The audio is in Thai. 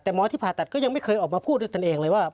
แต่หมอที่ผ่าตัดก็ยังไม่เคยออกมาพูดด้วยตนเองเลยว่า